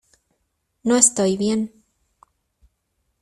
no estoy bien.